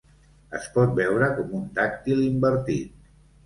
Es pot veure com un dàctil invertit.